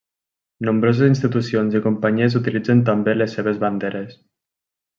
Nombroses institucions i companyies utilitzen també les seves banderes.